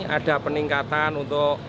ada peningkatan untuk